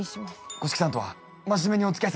五色さんとは真面目におつきあいさせてもらってます。